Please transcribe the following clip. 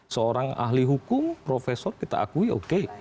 seorang ahli hukum profesor kita akui oke